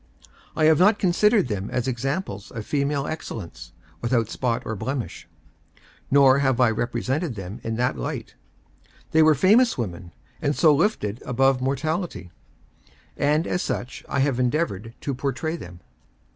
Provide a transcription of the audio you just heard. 1 havo not considered them as examples of female excellence, with out spot or blemish ; nor have I represented them in that light They were/amou* women, and so lifted "above VI DEDICATORY EPISTLE. mortality," — and as such I have endeavored to portray them.